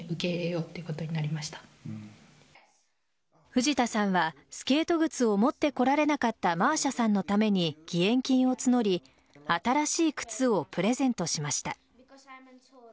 藤田さんはスケート靴を持ってこられなかったマーシャさんのために義援金を募り新しい靴をプレゼントしました。